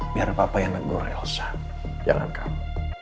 biar apa apa yang nenggur elsa jalan kamu